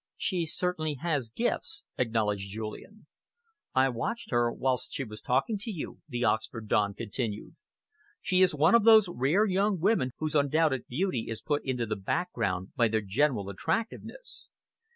"She certainly has gifts," acknowledged Julian. "I watched her whilst she was talking to you," the Oxford don continued. "She is one of those rare young women whose undoubted beauty is put into the background by their general attractiveness.